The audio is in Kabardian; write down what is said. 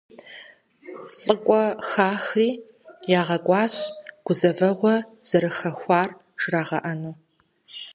ЛӀыкӀуэ хахри ягъэкӀуащ гузэвэгъуэ зэрыхэхуар жрагъэӀэну.